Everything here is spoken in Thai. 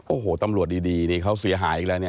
โอ้โหตำรวจดีนี่เขาเสียหายอีกแล้วเนี่ย